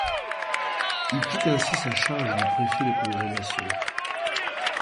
Il quitte ainsi sa charge de préfet de congrégation.